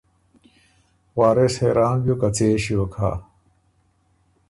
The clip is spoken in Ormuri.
وارث حېران بیوک که څۀ يې ݭیوک هۀ